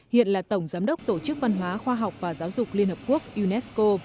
hiện là tổng giám đốc tổ chức văn hóa khoa học và giáo dục liên hợp quốc unesco